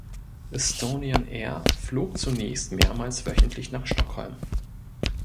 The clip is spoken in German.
Estonian Air flog zunächst mehrmals wöchentlich nach Stockholm.